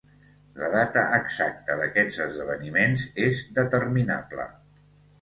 La data exacta d'aquests esdeveniments és determinable.